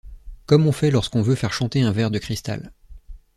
comme on fait lorsqu'on veut faire chanter un verre de cristal.